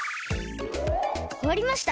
おわりました。